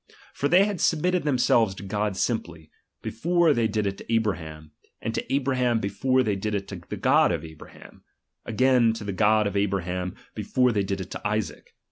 For they had submit ted themselves to God simply, before they did it to Abraham, and to Abraham before they did it to the God of Abraham : again, to the God of Abra ham, before they did it to Isaac.